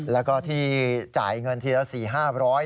แล้วก็ที่จ่ายเงินทีละสี่ห้าร้อย